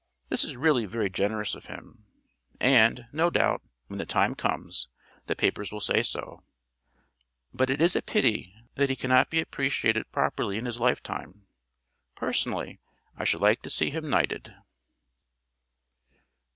This is really very generous of him, and, no doubt, when the time comes, the papers will say so. But it is a pity that he cannot be appreciated properly in his lifetime. Personally I should like to see him knighted.